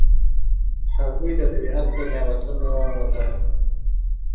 هګۍ د طبیعت له نعمتونو ده.